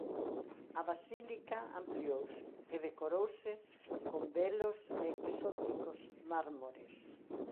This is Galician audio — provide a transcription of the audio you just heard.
A basílica ampliouse e decorouse con belos e exóticos mármores.